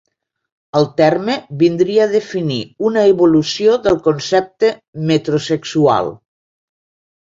El terme vindria a definir una evolució del concepte metrosexual.